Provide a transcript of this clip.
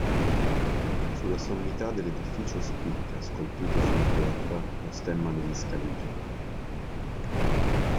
Sulla sommità dell'edificio spicca, scolpito su una pietra, lo stemma degli Scaligeri.